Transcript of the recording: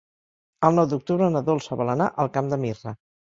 El nou d'octubre na Dolça vol anar al Camp de Mirra.